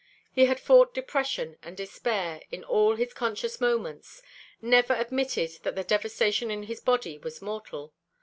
He had fought depression and despair in all his conscious moments, never admitted that the devastation in his body was mortal.